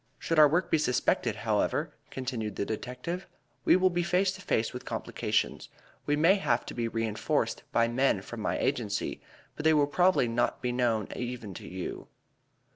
Should our work be suspected, however," continued the detective, "we will be face to face with complications. We may have to be reënforced by men from my agency, but they will probably not be known even to you."